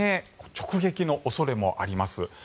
明日未明直撃の恐れもあります。